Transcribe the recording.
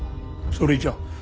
それじゃ。